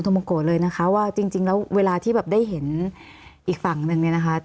โมโกะเลยนะคะว่าจริงแล้วเวลาที่แบบได้เห็นอีกฝั่งนึงเนี่ยนะคะ